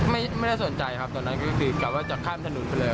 ไม่ได้สนใจครับตอนนั้นก็คือกลับว่าจะข้ามถนนไปเลย